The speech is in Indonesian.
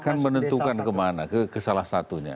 akan menentukan ke mana ke salah satunya